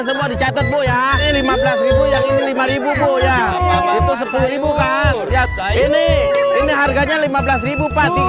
semua dicatat boya ini lima belas yang ini rp lima ya itu rp satu ya ini ini harganya rp lima belas pak